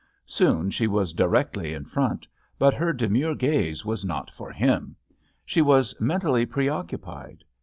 Soon she was directly in front but her demure gaze was not for him. She was mentally preoccupied.